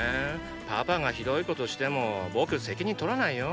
パパが酷いことしても僕責任とらないよ？